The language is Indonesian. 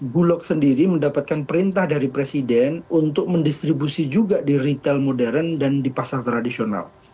bulog sendiri mendapatkan perintah dari presiden untuk mendistribusi juga di retail modern dan di pasar tradisional